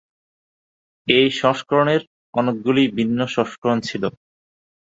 এই সংস্করণের অনেকগুলি ভিন্ন সংস্করণ ছিল।